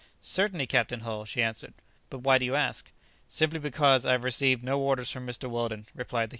"Certainly, Captain Hull," she answered; "but why do you ask?" "Simply because I have received no orders from Mr. Weldon," replied the captain.